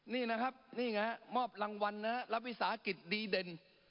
นี่นะครับนี่ไงมอบรางวัลนะครับรับวิสาหกิจดีเด่น